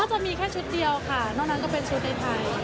จะมีแค่ชุดเดียวค่ะนอกนั้นก็เป็นชุดในไทย